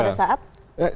disebut pada saat